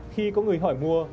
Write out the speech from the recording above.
khi có người hỏi mua